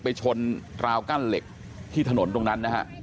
ไปชนราวกั้นเหล็กที่ถนนตรงนั้นนะฮะ